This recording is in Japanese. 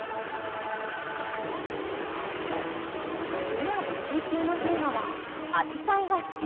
今募集中のテーマは「アジサイが好き！」。